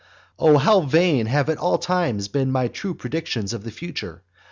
O how vain have at all times been my too true predictions of the future!